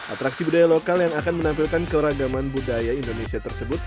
atraksi budaya lokal yang akan menampilkan keragaman budaya indonesia tersebut